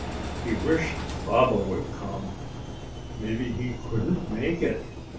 He wished Baba would come. Maybe he couldn't make it.